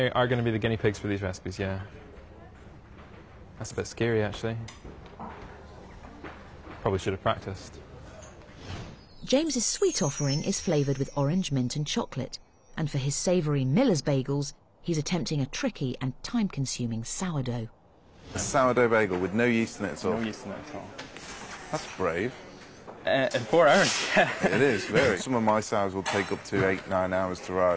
はい。